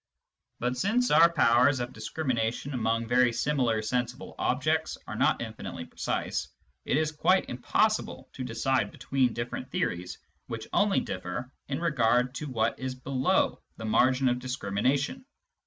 But since our powers of discrimination among very similar sensible objects are not infinitely precise, it is quite impossible to decide between different theories which only differ in regard to what is below the margin of discrimination.